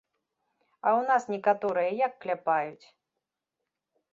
А ў нас некаторыя як кляпаюць?